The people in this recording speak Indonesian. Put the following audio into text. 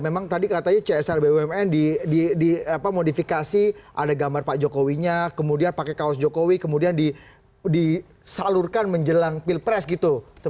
memang tadi katanya csr bumn di modifikasi ada gambar pak jokowinya kemudian pakai kaos jokowi kemudian disalurkan menjelang pilpres gitu